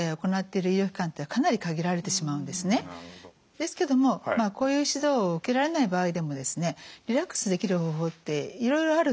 残念ながらですけどもこういう指導を受けられない場合でもですねリラックスできる方法っていろいろあるんですね。